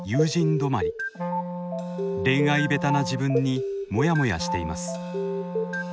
どまり恋愛下手な自分にモヤモヤしています。